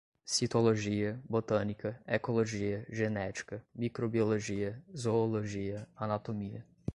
citologia, botânica, ecologia, genética, microbiologia, zoologia, anatomia